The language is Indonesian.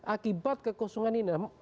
akibat kekosongan ini